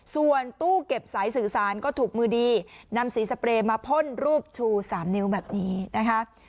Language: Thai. ส่วนตู้เก็บสายสื่อสารก็ถูกมือดีนำสีสเปรย์มาพ่นรูปชู๓นิ้วแบบนี้นะคะ